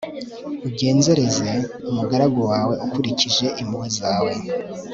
ugenzereze umugaragu wawe ukurikije impuhwe zawe